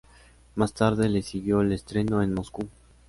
Más tarde le siguió el estreno en Moscú.